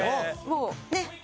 もうねっ！